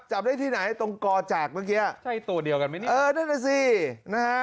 จับได้ที่ไหนตรงกอจากเมื่อกี้ใช่ตัวเดียวกันไหมเนี่ยเออนั่นน่ะสินะฮะ